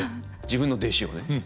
自分の弟子をね。